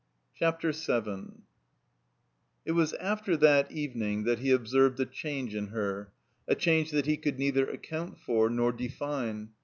CHAPTER VII IT was after that evening that he observed a change in her, a change that he cotdd neither account for nor define.